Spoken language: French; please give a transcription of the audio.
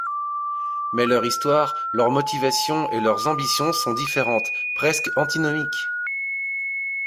Mais leur histoire, leurs motivations et leurs ambitions sont différentes, presque antinomiques.